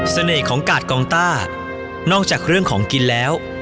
เสน่ห์ของกะกองต้านอกจากเรื่องของกินแล้ว